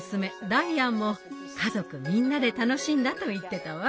ダイアンも「家族みんなで楽しんだ」と言ってたわ。